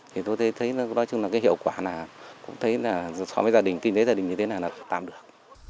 thì tôi thấy đó chung là cái hiệu quả là cũng thế là so với gia đình kinh tế gia đình như thế này là tạm được